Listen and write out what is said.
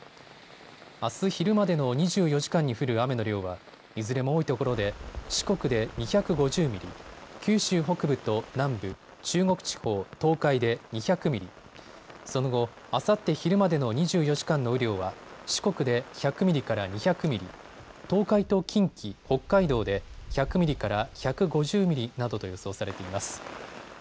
あす昼までの２４時間に降る雨の量はいずれも多いところで四国で２５０ミリ、九州北部と南部、中国地方、東海で２００ミリ、その後、あさって昼までの２４時間の雨量は四国で１００ミリから２００ミリ、東海と近畿、北海道で１００ミリから１５０ミリなどと予想されています。